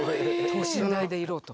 等身大でいろと。